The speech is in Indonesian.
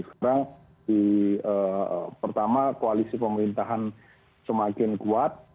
sekarang pertama koalisi pemerintahan semakin kuat